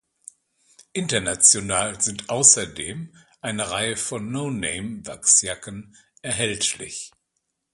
International sind außerdem eine Reihe von No-Name-Wachsjacken erhältlich.